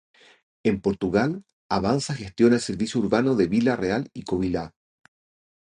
En Portugal, Avanza gestiona el servicio urbano de Vila Real y Covilhã.